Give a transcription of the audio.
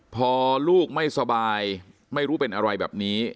พอลูกไม่สบายไม่รู้เป็นอะไรแบบนี้